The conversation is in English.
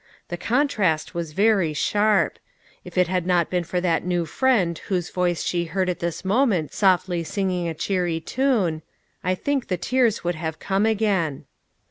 The con trast was very sharp. If it had not been for that new friend whose voice she heard at this moment softly singing a cheery tune, I think the tears would have come again.